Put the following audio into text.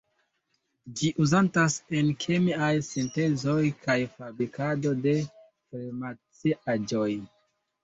Ĝi uzatas en kemiaj sintezoj kaj fabrikado de farmaciaĵoj.